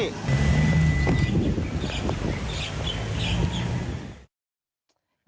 เนี่ยคนไปสังเกตผู้ชายคนนี้ว่าเหมือนเขาเอามือจับกางเกง